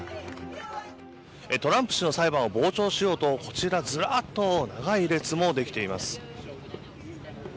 トランプ氏の裁判を傍聴しようと、こちらずらっと長い列もできています。